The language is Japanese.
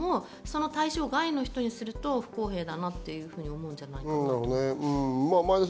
対象外の人にすると不公平だなと思うんじゃないかと思います。